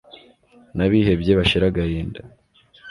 n'abihebye, bashire agahinda